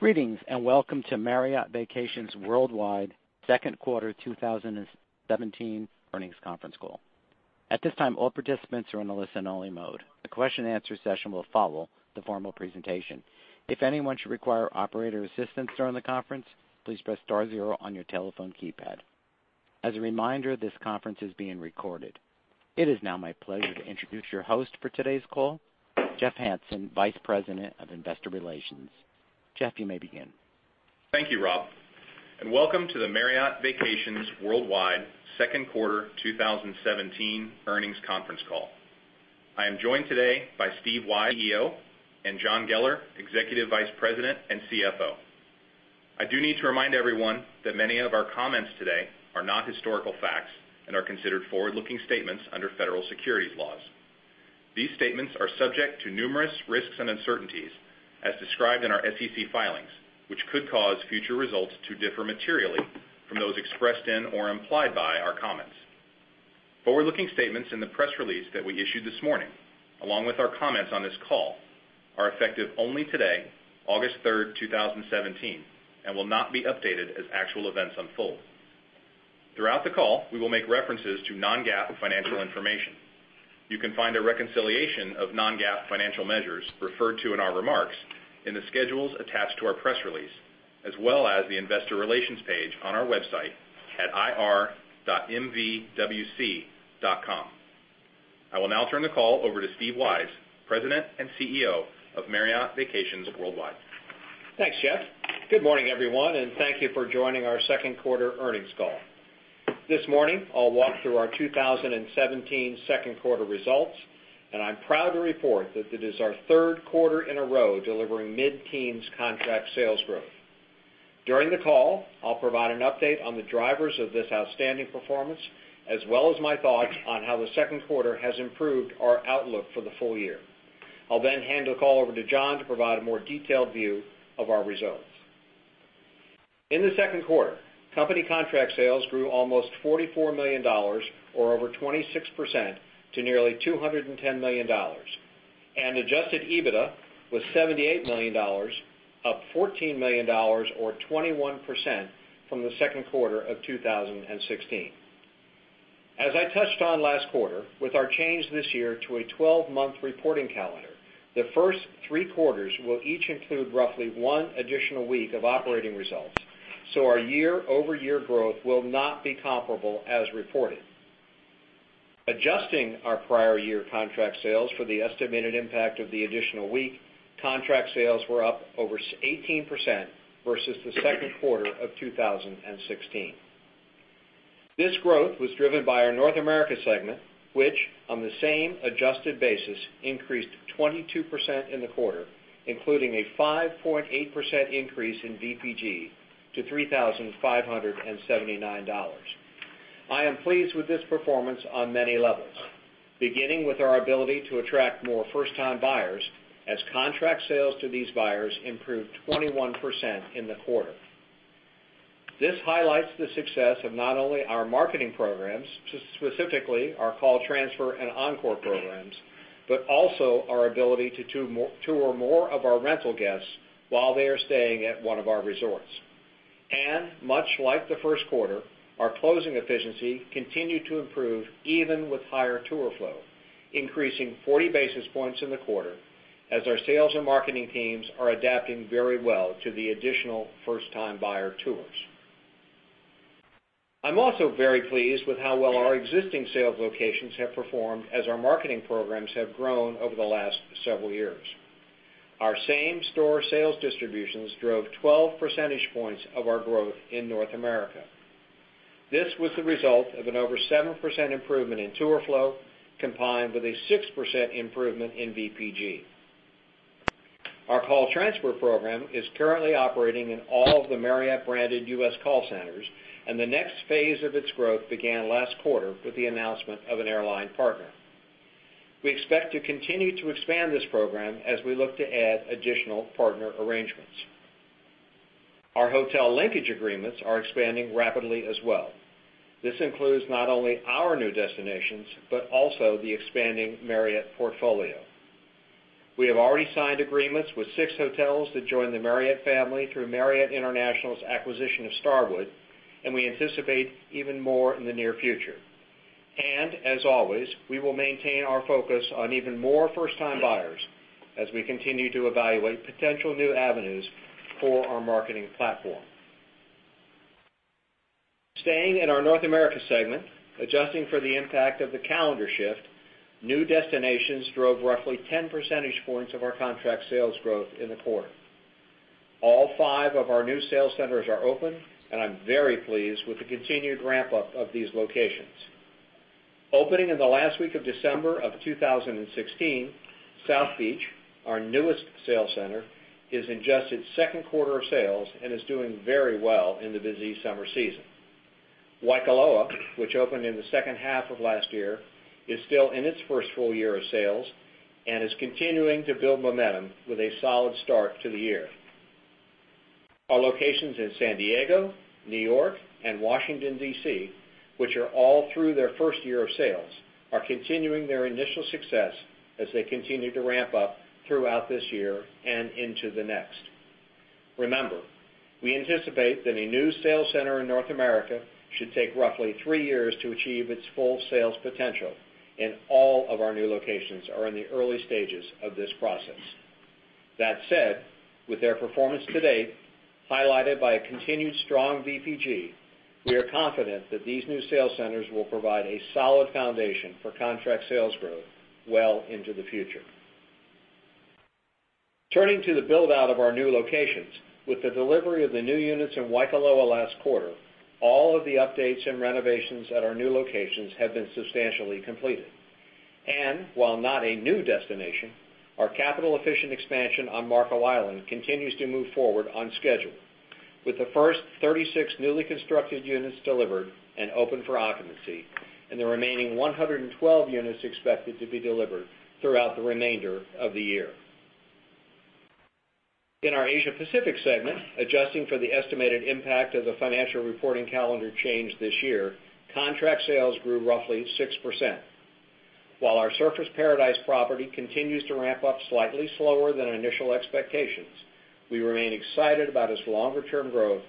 Greetings, welcome to Marriott Vacations Worldwide second quarter 2017 earnings conference call. At this time, all participants are in a listen-only mode. The question and answer session will follow the formal presentation. If anyone should require operator assistance during the conference, please press star zero on your telephone keypad. As a reminder, this conference is being recorded. It is now my pleasure to introduce your host for today's call, Jeff Hansen, Vice President of Investor Relations. Jeff, you may begin. Thank you, Rob, welcome to the Marriott Vacations Worldwide second quarter 2017 earnings conference call. I am joined today by Steve Weisz, CEO, and John Geller, Executive Vice President and CFO. I do need to remind everyone that many of our comments today are not historical facts and are considered forward-looking statements under federal securities laws. These statements are subject to numerous risks and uncertainties as described in our SEC filings, which could cause future results to differ materially from those expressed in or implied by our comments. Forward-looking statements in the press release that we issued this morning, along with our comments on this call, are effective only today, August 3, 2017, and will not be updated as actual events unfold. Throughout the call, we will make references to non-GAAP financial information. You can find a reconciliation of non-GAAP financial measures referred to in our remarks in the schedules attached to our press release, as well as the investor relations page on our website at ir.mvwc.com. I will now turn the call over to Steve Weisz, President and CEO of Marriott Vacations Worldwide. Thanks, Jeff. Good morning, everyone, thank you for joining our second quarter earnings call. This morning, I'll walk through our 2017 second quarter results, I'm proud to report that it is our third quarter in a row delivering mid-teens contract sales growth. During the call, I'll provide an update on the drivers of this outstanding performance, as well as my thoughts on how the second quarter has improved our outlook for the full year. I'll hand the call over to John to provide a more detailed view of our results. In the second quarter, company contract sales grew almost $44 million, or over 26%, to nearly $210 million, adjusted EBITDA was $78 million, up $14 million, or 21%, from the second quarter of 2016. As I touched on last quarter with our change this year to a 12-month reporting calendar, the first three quarters will each include roughly one additional week of operating results. Our year-over-year growth will not be comparable as reported. Adjusting our prior year contract sales for the estimated impact of the additional week, contract sales were up over 18% versus the second quarter of 2016. This growth was driven by our North America segment, which on the same adjusted basis, increased 22% in the quarter, including a 5.8% increase in VPG to $3,579. I am pleased with this performance on many levels, beginning with our ability to attract more first-time buyers as contract sales to these buyers improved 21% in the quarter. This highlights the success of not only our marketing programs, specifically our call transfer program and Encore programs, but also our ability to tour more of our rental guests while they are staying at one of our resorts. Much like the first quarter, our closing efficiency continued to improve even with higher tour flow, increasing 40 basis points in the quarter as our sales and marketing teams are adapting very well to the additional first-time buyer tours. I'm also very pleased with how well our existing sales locations have performed as our marketing programs have grown over the last several years. Our same-store sales distributions drove 12 percentage points of our growth in North America. This was the result of an over 7% improvement in tour flow combined with a 6% improvement in VPG. Our call transfer program is currently operating in all of the Marriott-branded U.S. call centers. The next phase of its growth began last quarter with the announcement of an airline partner. We expect to continue to expand this program as we look to add additional partner arrangements. Our hotel linkage agreements are expanding rapidly as well. This includes not only our new destinations, but also the expanding Marriott portfolio. We have already signed agreements with six hotels to join the Marriott family through Marriott International's acquisition of Starwood, and we anticipate even more in the near future. As always, we will maintain our focus on even more first-time buyers as we continue to evaluate potential new avenues for our marketing platform. Staying in our North America segment, adjusting for the impact of the calendar shift, new destinations drove roughly 10 percentage points of our contract sales growth in the quarter. All five of our new sales centers are open, and I'm very pleased with the continued ramp-up of these locations. Opening in the last week of December of 2016, South Beach, our newest sales center, is in just its second quarter of sales and is doing very well in the busy summer season. Waikoloa, which opened in the second half of last year, is still in its first full year of sales and is continuing to build momentum with a solid start to the year. Our locations in San Diego, New York, and Washington, D.C., which are all through their first year of sales, are continuing their initial success as they continue to ramp up throughout this year and into the next. Remember, we anticipate that a new sales center in North America should take roughly three years to achieve its full sales potential, and all of our new locations are in the early stages of this process. That said, with their performance to date, highlighted by a continued strong VPG, we are confident that these new sales centers will provide a solid foundation for contract sales growth well into the future. Turning to the build-out of our new locations, with the delivery of the new units in Waikoloa last quarter, all of the updates and renovations at our new locations have been substantially completed. While not a new destination, our capital-efficient expansion on Marco Island continues to move forward on schedule, with the first 36 newly constructed units delivered and open for occupancy, and the remaining 112 units expected to be delivered throughout the remainder of the year. In our Asia Pacific segment, adjusting for the estimated impact of the financial reporting calendar change this year, contract sales grew roughly 6%. While our Surfers Paradise property continues to ramp up slightly slower than initial expectations, we remain excited about its longer-term growth,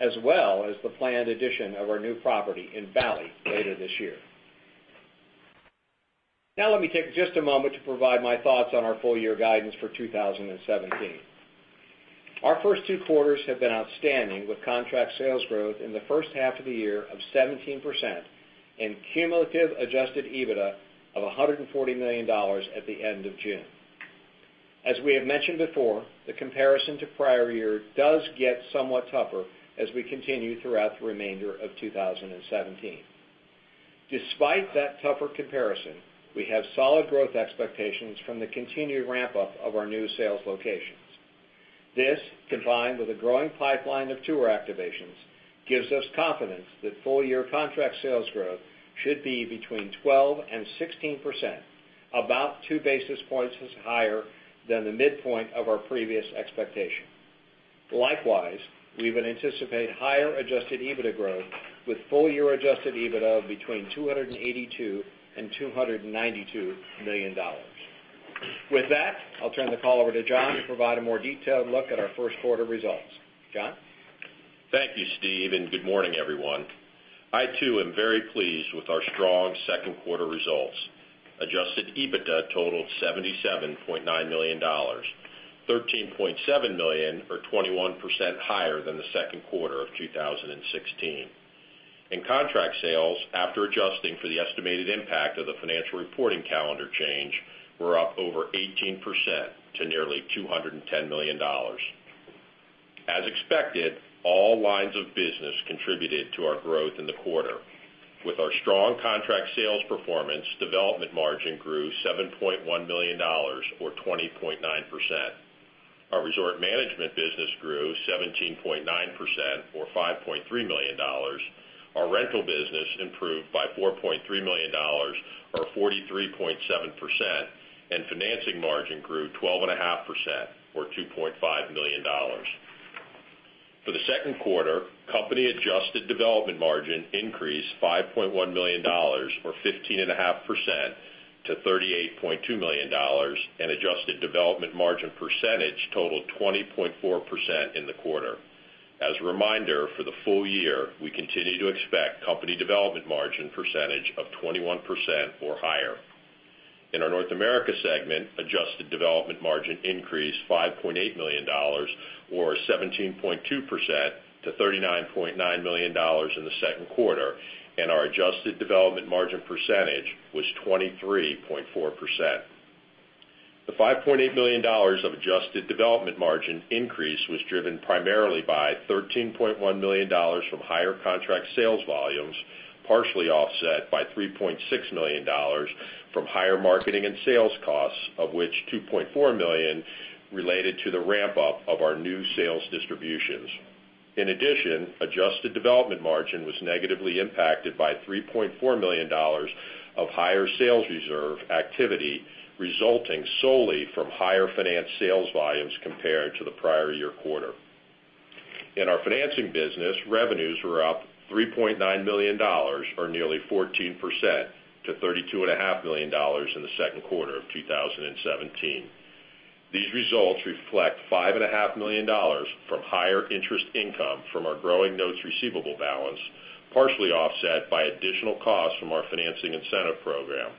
as well as the planned addition of our new property in Bali later this year. Let me take just a moment to provide my thoughts on our full-year guidance for 2017. Our first two quarters have been outstanding, with contract sales growth in the first half of the year of 17% and cumulative adjusted EBITDA of $140 million at the end of June. As we have mentioned before, the comparison to prior year does get somewhat tougher as we continue throughout the remainder of 2017. Despite that tougher comparison, we have solid growth expectations from the continued ramp-up of our new sales locations. This, combined with a growing pipeline of tour activations, gives us confidence that full-year contract sales growth should be between 12%-16%, about two basis points higher than the midpoint of our previous expectation. Likewise, we would anticipate higher adjusted EBITDA growth, with full-year adjusted EBITDA of between $282 million-$292 million. With that, I'll turn the call over to John to provide a more detailed look at our first quarter results. John? Thank you, Steve, and good morning, everyone. I too am very pleased with our strong second quarter results. Adjusted EBITDA totaled $77.9 million, $13.7 million or 21% higher than the second quarter of 2016. Contract sales, after adjusting for the estimated impact of the financial reporting calendar change, were up over 18% to nearly $210 million. As expected, all lines of business contributed to our growth in the quarter. With our strong contract sales performance, development margin grew $7.1 million, or 20.9%. Our resort management business grew 17.9%, or $5.3 million, our rental business improved by $4.3 million, or 43.7%, and financing margin grew 12.5%, or $2.5 million. For the second quarter, company adjusted development margin increased $5.1 million, or 15.5%, to $38.2 million, and adjusted development margin percentage totaled 20.4% in the quarter. As a reminder, for the full year, we continue to expect company development margin percentage of 21% or higher. In our North America segment, adjusted development margin increased $5.8 million, or 17.2%, to $39.9 million in the second quarter, and our adjusted development margin percentage was 23.4%. The $5.8 million of adjusted development margin increase was driven primarily by $13.1 million from higher contract sales volumes, partially offset by $3.6 million from higher marketing and sales costs, of which $2.4 million related to the ramp-up of our new sales distributions. In addition, adjusted development margin was negatively impacted by $3.4 million of higher sales reserve activity, resulting solely from higher financed sales volumes compared to the prior year quarter. In our financing business, revenues were up $3.9 million, or nearly 14%, to $32.5 million in the second quarter of 2017. These results reflect $5.5 million from higher interest income from our growing notes receivable balance, partially offset by additional costs from our financing incentive program.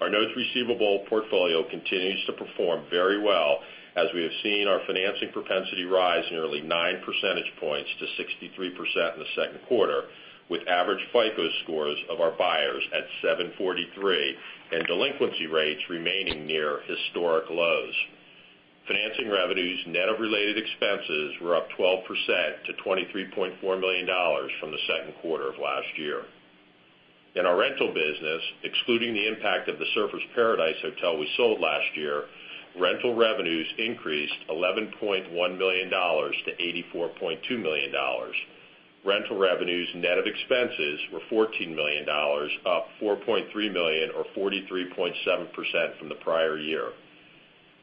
Our notes receivable portfolio continues to perform very well as we have seen our financing propensity rise nearly nine percentage points to 63% in the second quarter, with average FICO scores of our buyers at 743 and delinquency rates remaining near historic lows. Financing revenues, net of related expenses, were up 12% to $23.4 million from the second quarter of last year. In our rental business, excluding the impact of the Surfers Paradise hotel we sold last year, rental revenues increased $11.1 million to $84.2 million. Rental revenues net of expenses were $14 million, up $4.3 million or 43.7% from the prior year.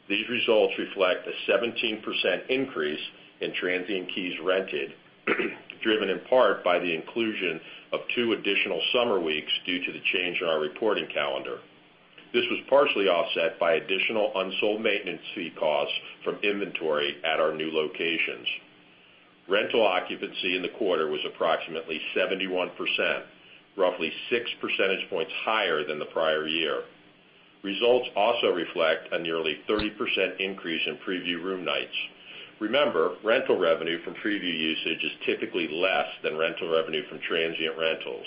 These results reflect a 17% increase in transient keys rented, driven in part by the inclusion of two additional summer weeks due to the change in our reporting calendar. This was partially offset by additional unsold maintenance fee costs from inventory at our new locations. Rental occupancy in the quarter was approximately 71%, roughly six percentage points higher than the prior year. Results also reflect a nearly 30% increase in preview room nights. Remember, rental revenue from preview usage is typically less than rental revenue from transient rentals.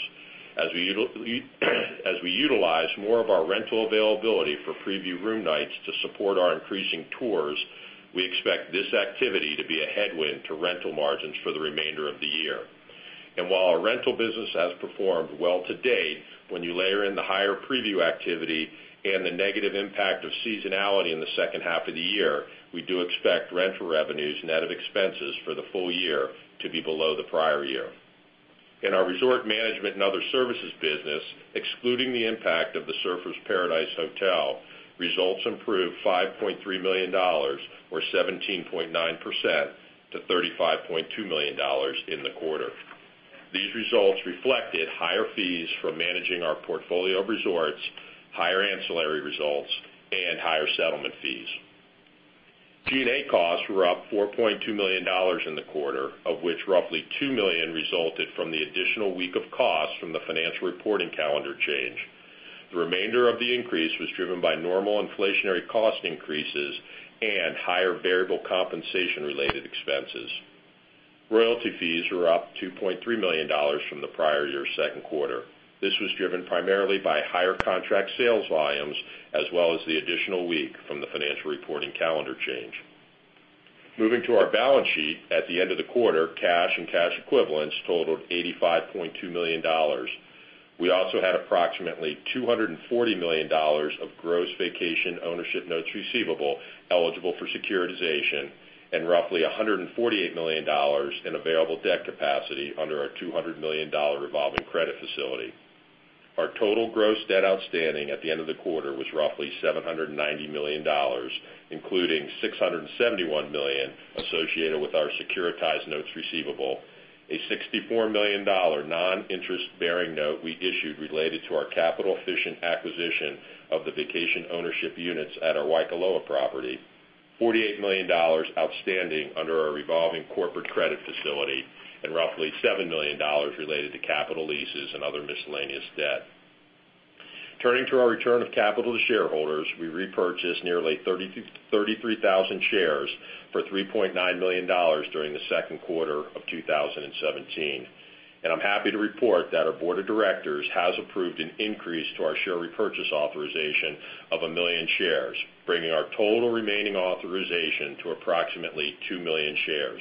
As we utilize more of our rental availability for preview room nights to support our increasing tours, we expect this activity to be a headwind to rental margins for the remainder of the year. While our rental business has performed well to date, when you layer in the higher preview activity and the negative impact of seasonality in the second half of the year, we do expect rental revenues net of expenses for the full year to be below the prior year. In our resort management and other services business, excluding the impact of the Surfers Paradise Hotel, results improved $5.3 million or 17.9% to $35.2 million in the quarter. These results reflected higher fees from managing our portfolio of resorts, higher ancillary results, and higher settlement fees. G&A costs were up $4.2 million in the quarter, of which roughly $2 million resulted from the additional week of cost from the financial reporting calendar change. The remainder of the increase was driven by normal inflationary cost increases and higher variable compensation-related expenses. Royalty fees were up $2.3 million from the prior year second quarter. This was driven primarily by higher contract sales volumes, as well as the additional week from the financial reporting calendar change. Moving to our balance sheet, at the end of the quarter, cash and cash equivalents totaled $85.2 million. We also had approximately $240 million of gross vacation ownership notes receivable eligible for securitization and roughly $148 million in available debt capacity under our $200 million revolving credit facility. Our total gross debt outstanding at the end of the quarter was roughly $790 million, including $671 million associated with our securitized notes receivable, a $64 million non-interest-bearing note we issued related to our capital-efficient acquisition of the vacation ownership units at our Waikoloa property, $48 million outstanding under our revolving corporate credit facility, and roughly $7 million related to capital leases and other miscellaneous debt. Turning to our return of capital to shareholders, we repurchased nearly 33,000 shares for $3.9 million during the second quarter of 2017. I'm happy to report that our board of directors has approved an increase to our share repurchase authorization of 1 million shares, bringing our total remaining authorization to approximately 2 million shares.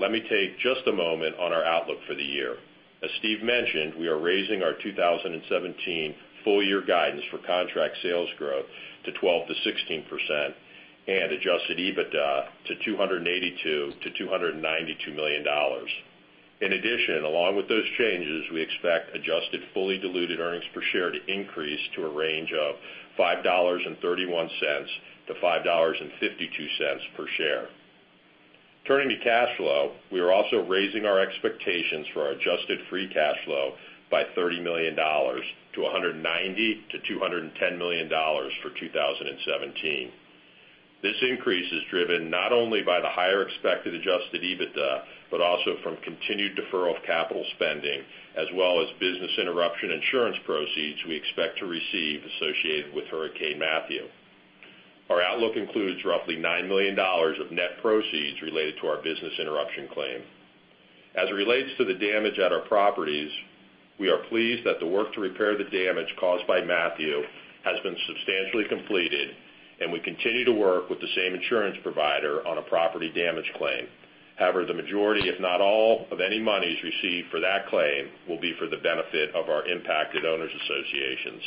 Let me take just a moment on our outlook for the year. As Steve mentioned, we are raising our 2017 full-year guidance for contract sales growth to 12%-16% and adjusted EBITDA to $282 million-$292 million. In addition, along with those changes, we expect adjusted fully diluted earnings per share to increase to a range of $5.31-$5.52 per share. Turning to cash flow, we are also raising our expectations for our adjusted free cash flow by $30 million to $190 million-$210 million for 2017. This increase is driven not only by the higher expected adjusted EBITDA, but also from continued deferral of capital spending as well as business interruption insurance proceeds we expect to receive associated with Hurricane Matthew. Our outlook includes roughly $9 million of net proceeds related to our business interruption claim. As it relates to the damage at our properties, we are pleased that the work to repair the damage caused by Matthew has been substantially completed. We continue to work with the same insurance provider on a property damage claim. However, the majority, if not all, of any monies received for that claim will be for the benefit of our impacted owners' associations.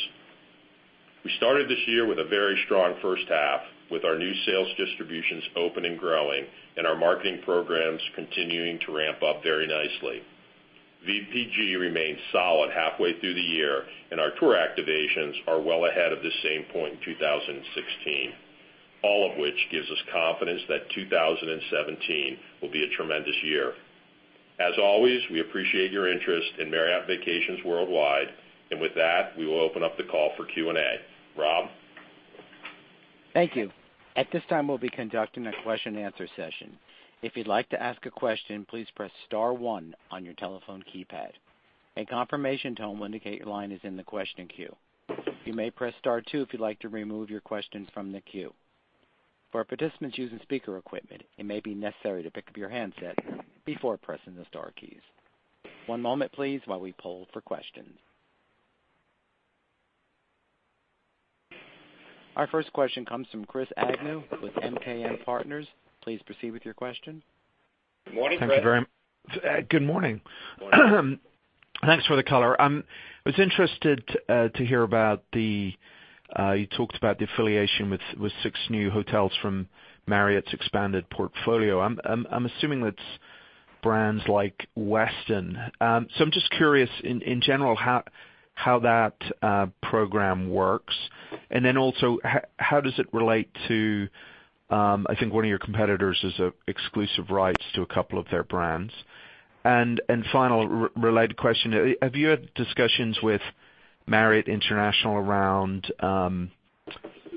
We started this year with a very strong first half with our new sales distributions open and growing and our marketing programs continuing to ramp up very nicely. VPG remains solid halfway through the year. Our tour activations are well ahead of the same point in 2016, all of which gives us confidence that 2017 will be a tremendous year. As always, we appreciate your interest in Marriott Vacations Worldwide. With that, we will open up the call for Q&A. Rob? Thank you. At this time, we'll be conducting a question and answer session. If you'd like to ask a question, please press *1 on your telephone keypad. A confirmation tone will indicate your line is in the question queue. You may press *2 if you'd like to remove your questions from the queue. For participants using speaker equipment, it may be necessary to pick up your handset before pressing the star keys. One moment, please, while we poll for questions. Our first question comes from Chris Agnew with MKM Partners. Please proceed with your question. Morning, Chris. Thank you. Good morning. Morning. Thanks for the color. I was interested to hear about the affiliation with six new hotels from Marriott's expanded portfolio. I'm assuming that's brands like Westin. I'm just curious in general how that program works, also how does it relate to, I think one of your competitors has exclusive rights to a couple of their brands. Final related question, have you had discussions with Marriott International around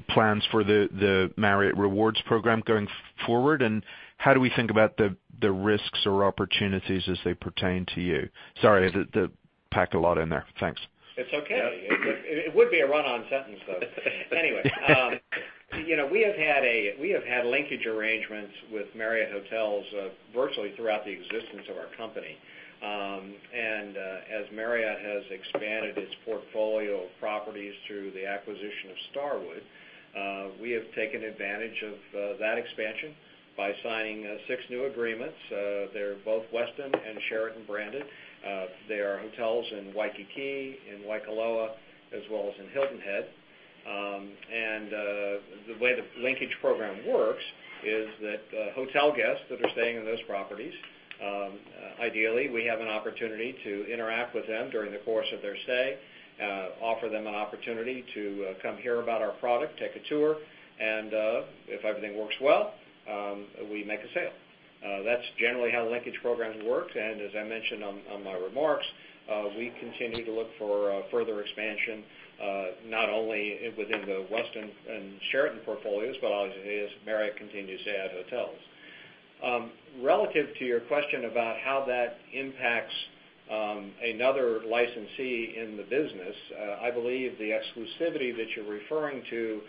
plans for the Marriott Rewards program going forward, and how do we think about the risks or opportunities as they pertain to you? Sorry, I packed a lot in there. Thanks. It's okay. It would be a run-on sentence, though. We have had linkage arrangements with Marriott Hotels virtually throughout the existence of our company. As Marriott has expanded its portfolio of properties through the acquisition of Starwood, we have taken advantage of that expansion by signing six new agreements. They're both Westin and Sheraton branded. They are hotels in Waikiki, in Waikoloa, as well as in Hilton Head. The way the linkage program works is that hotel guests that are staying in those properties, ideally we have an opportunity to interact with them during the course of their stay, offer them an opportunity to come hear about our product, take a tour, and if everything works well, we make a sale. That's generally how the linkage program works. As I mentioned on my remarks, we continue to look for further expansion, not only within the Westin and Sheraton portfolios, but obviously as Marriott continues to add hotels. Relative to your question about how that impacts another licensee in the business, I believe the exclusivity that you're referring to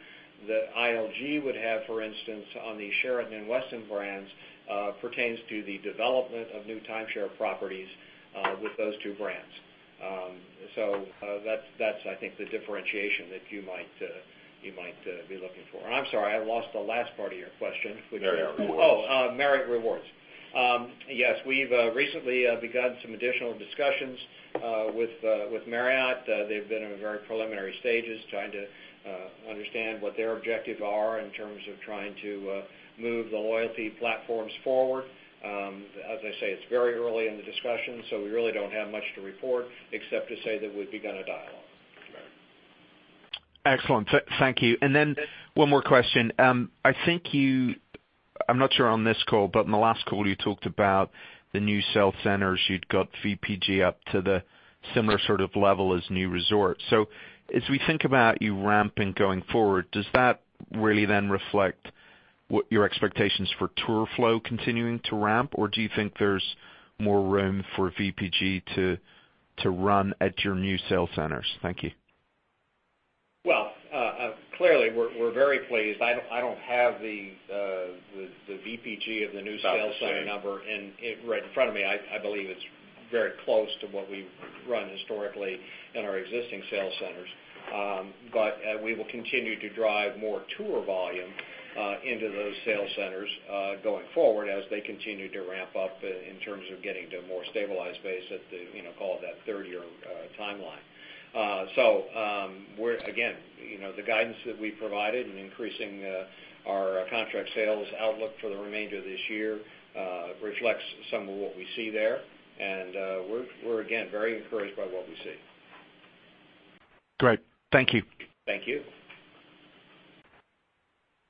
that ILG would have, for instance, on the Sheraton and Westin brands, pertains to the development of new timeshare properties with those two brands. That's I think the differentiation that you might be looking for. I'm sorry, I lost the last part of your question. Marriott Rewards. Marriott Rewards. Yes, we've recently begun some additional discussions with Marriott. They've been in very preliminary stages trying to understand what their objectives are in terms of trying to move the loyalty platforms forward. As I say, it's very early in the discussion. We really don't have much to report except to say that we've begun a dialogue. Excellent. Thank you. One more question. I think you, I'm not sure on this call, but on the last call, you talked about the new sales centers, you'd got VPG up to the similar sort of level as new resorts. As we think about you ramping going forward, does that really then reflect what your expectations for tour flow continuing to ramp, or do you think there's more room for VPG to run at your new sales centers? Thank you. Clearly, we're very pleased. I don't have the VPG of the new sales center number right in front of me. I believe it's very close to what we've run historically in our existing sales centers. We will continue to drive more tour volume into those sales centers going forward as they continue to ramp up in terms of getting to a more stabilized base at the, call it that third-year timeline. Again, the guidance that we provided in increasing our contract sales outlook for the remainder of this year reflects some of what we see there. We're again, very encouraged by what we see. Great. Thank you. Thank you.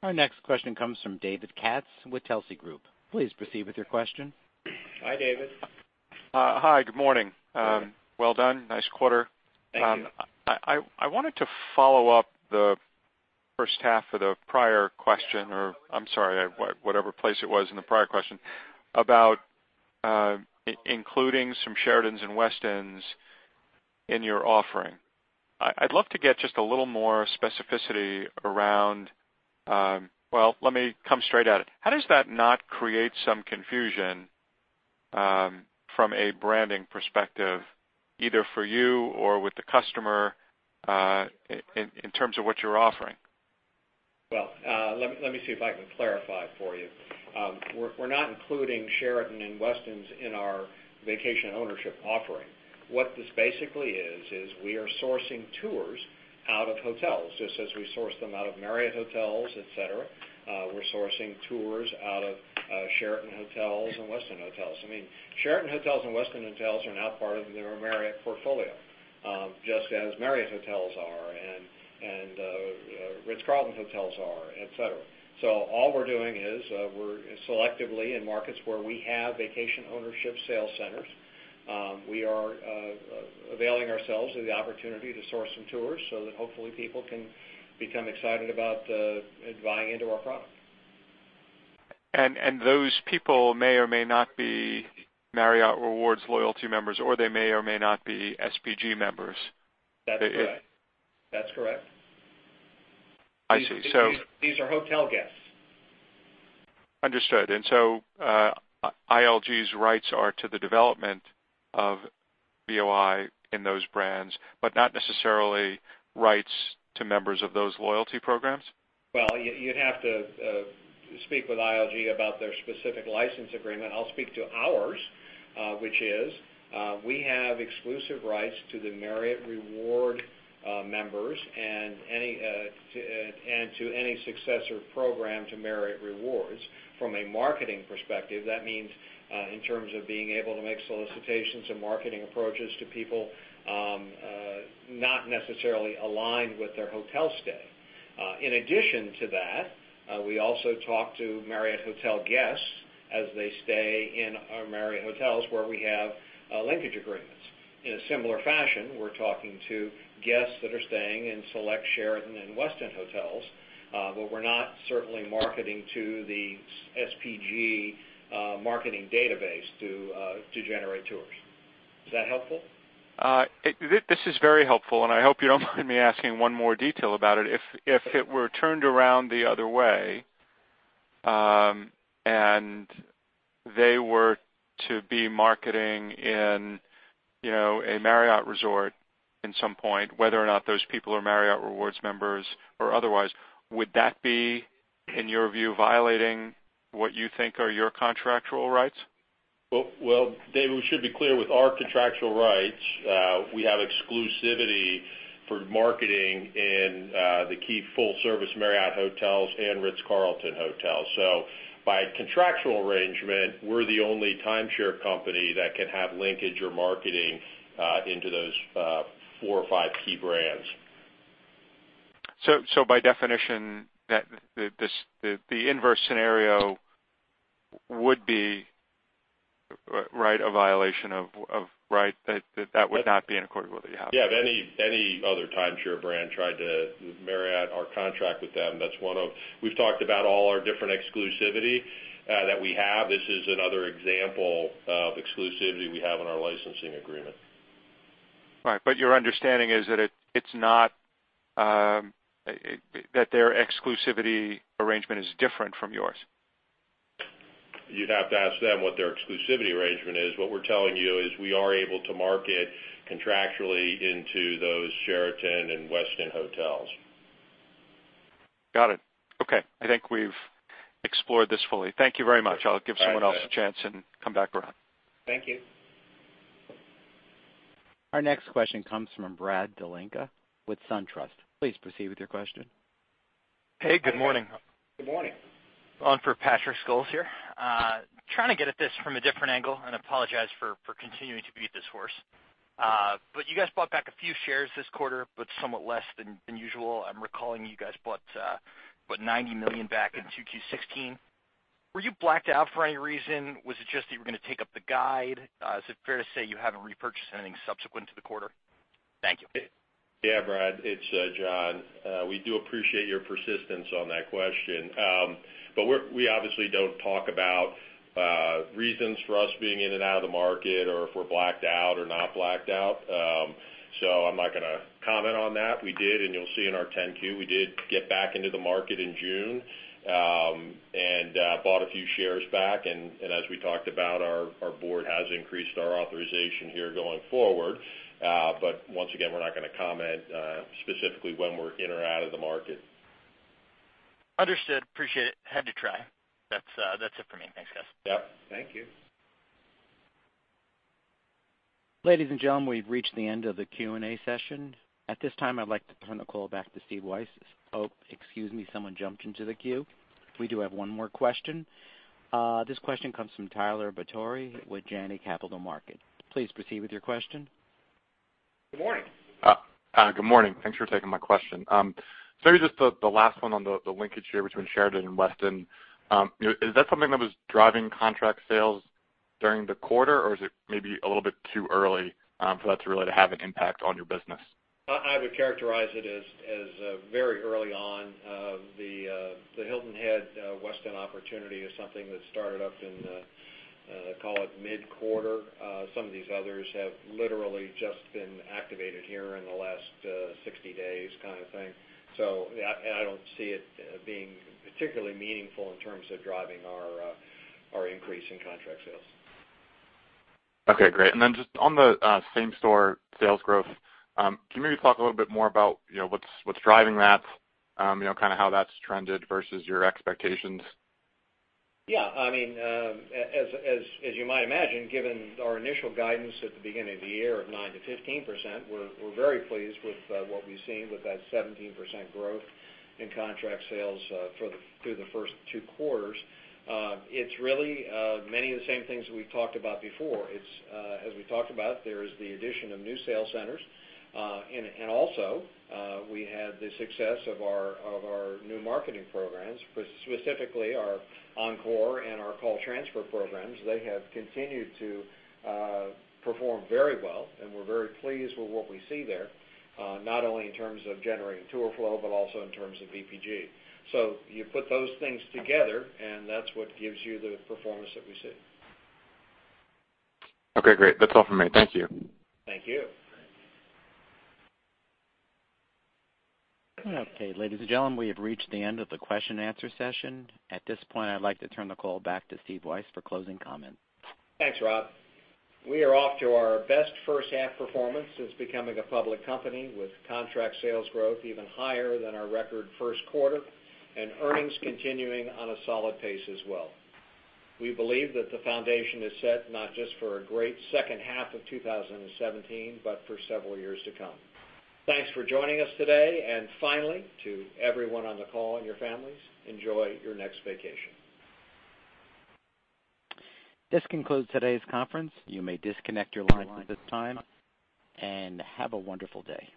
Our next question comes from David Katz with Telsey Group. Please proceed with your question. Hi, David. Hi, good morning. Well done. Nice quarter. Thank you. I wanted to follow up the first half of the prior question, or, I'm sorry, whatever place it was in the prior question, about including some Sheraton and Westin in your offering. I'd love to get just a little more specificity around Well, let me come straight at it. How does that not create some confusion from a branding perspective, either for you or with the customer in terms of what you're offering? Well, let me see if I can clarify for you. We're not including Sheraton and Westin in our vacation ownership offering. What this basically is we are sourcing tours out of hotels, just as we source them out of Marriott hotels, et cetera. We're sourcing tours out of Sheraton Hotels and Westin Hotels. Sheraton Hotels and Westin Hotels are now part of the Marriott portfolio, just as Marriott hotels are and Ritz-Carlton hotels are, et cetera. All we're doing is we're selectively in markets where we have vacation ownership sales centers. We are availing ourselves of the opportunity to source some tours so that hopefully people can become excited about buying into our product. Those people may or may not be Marriott Rewards loyalty members, or they may or may not be SPG members. That's correct. I see. These are hotel guests. Understood. ILG's rights are to the development of VOI in those brands, but not necessarily rights to members of those loyalty programs? Well, you'd have to speak with ILG about their specific license agreement. I'll speak to ours, which is, we have exclusive rights to the Marriott Rewards members and to any successor program to Marriott Rewards. From a marketing perspective, that means in terms of being able to make solicitations and marketing approaches to people not necessarily aligned with their hotel stay. In addition to that, we also talk to Marriott hotel guests as they stay in our Marriott hotels where we have linkage agreements. In a similar fashion, we're talking to guests that are staying in select Sheraton and Westin hotels, but we're not certainly marketing to the SPG marketing database to generate tours. Is that helpful? This is very helpful. I hope you don't mind me asking one more detail about it. If it were turned around the other way, and they were to be marketing in a Marriott resort in some point, whether or not those people are Marriott Rewards members or otherwise, would that be, in your view, violating what you think are your contractual rights? Well, David, we should be clear. With our contractual rights, we have exclusivity for marketing in the key full-service Marriott hotels and Ritz-Carlton hotels. By contractual arrangement, we're the only timeshare company that can have linkage or marketing into those four or five key brands. By definition, the inverse scenario would be a violation of rights that would not be in accordance with what you have. Yeah. If any other timeshare brand tried to Marriott our contract with them. We've talked about all our different exclusivity that we have. This is another example of exclusivity we have in our licensing agreement. Right. Your understanding is that their exclusivity arrangement is different from yours. You'd have to ask them what their exclusivity arrangement is. What we're telling you is we are able to market contractually into those Sheraton and Westin hotels. Got it. Okay. I think we've explored this fully. Thank you very much. All right. I'll give someone else a chance and come back around. Thank you. Our next question comes from Brandt Montour with SunTrust. Please proceed with your question. Hey, good morning. Good morning. On for Patrick Scholes here. Trying to get at this from a different angle, apologize for continuing to beat this horse. You guys bought back a few shares this quarter, but somewhat less than usual. I'm recalling you guys bought $90 million back in 2Q16. Were you blacked out for any reason? Was it just that you were going to take up the guide? Is it fair to say you haven't repurchased anything subsequent to the quarter? Thank you. Yeah, Brandt. It's John. We do appreciate your persistence on that question. We obviously don't talk about reasons for us being in and out of the market or if we're blacked out or not blacked out. I'm not going to comment on that. We did, and you'll see in our 10-Q, we did get back into the market in June and bought a few shares back. As we talked about, our board has increased our authorization here going forward. Once again, we're not going to comment specifically when we're in or out of the market. Understood. Appreciate it. Had to try. That's it for me. Thanks, guys. Yep. Thank you. Ladies and gentlemen, we've reached the end of the Q&A session. At this time, I'd like to turn the call back to Steve Weisz. Oh, excuse me, someone jumped into the queue. We do have one more question. This question comes from Tyler Batory with Janney Capital Markets. Please proceed with your question. Good morning. Good morning. Thanks for taking my question. Sorry, just the last one on the linkage here between Sheraton and Westin. Is that something that was driving contract sales during the quarter, or is it maybe a little bit too early for that to really have an impact on your business? I would characterize it as very early on. The Hilton Head Westin opportunity is something that started up in, call it mid-quarter. Some of these others have literally just been activated here in the last 60 days kind of thing. I don't see it being particularly meaningful in terms of driving our increase in contract sales. Okay, great. Then just on the same-store sales growth, can you maybe talk a little bit more about what's driving that, how that's trended versus your expectations? Yeah. As you might imagine, given our initial guidance at the beginning of the year of 9%-15%, we're very pleased with what we've seen with that 17% growth in contract sales through the first two quarters. It's really many of the same things we've talked about before. As we talked about, there is the addition of new sales centers. Also we had the success of our new marketing programs, specifically our Encore and our call transfer programs. They have continued to perform very well, and we're very pleased with what we see there, not only in terms of generating tour flow, but also in terms of VPG. You put those things together, and that's what gives you the performance that we see. Okay, great. That's all for me. Thank you. Thank you. Okay, ladies and gentlemen, we have reached the end of the question and answer session. At this point, I'd like to turn the call back to Stephen Weisz for closing comments. Thanks, Rob. We are off to our best first half performance since becoming a public company, with contract sales growth even higher than our record first quarter and earnings continuing on a solid pace as well. We believe that the foundation is set not just for a great second half of 2017, but for several years to come. Thanks for joining us today, and finally, to everyone on the call and your families, enjoy your next vacation. This concludes today's conference. You may disconnect your lines at this time, and have a wonderful day.